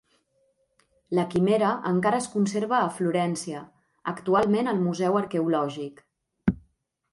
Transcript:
La quimera encara es conserva a Florència, actualment al Museu Arqueològic.